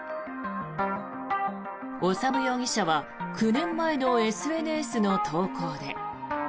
修容疑者は９年前のＳＮＳの投稿で。